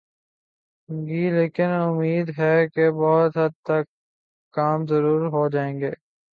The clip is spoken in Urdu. گی لیکن امید ہے کہ بہت حد تک کم ضرور ہو جائیں گی۔